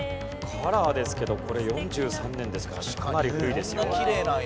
カラーですけどこれ４３年ですからかなり古いですよ。